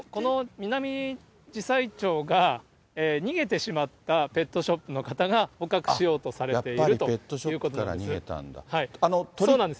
ミナミジサイチョウが逃げてしまったペットショップの方が、捕獲しようとされているということなんです。